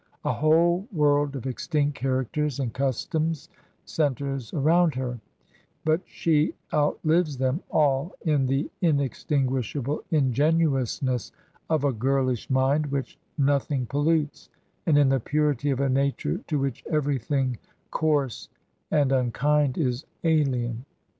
A whole world of extinct characters and cus toms centres around her; but she outlives them all in the inextinguishable ingenuousness of a girhsh mind which nothing pollutes, and in the purity of a nature to 22 Digitized by VjOOQIC FRANCES BURNEY'S EVELINA which everything coarse and unkind is alien.